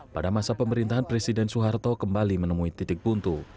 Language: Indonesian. pada masa pemerintahan presiden soeharto kembali menemui titik buntu